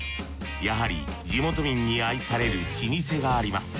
やはり地元民に愛される老舗があります。